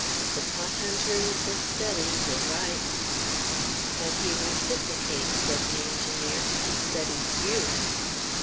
The pot hunter is a study; you're right." "But he reciprocates," said the engineer; "he studies you."